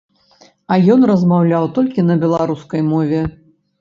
А ён размаўляў толькі на беларускай мове.